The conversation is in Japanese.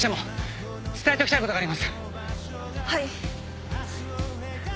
はい。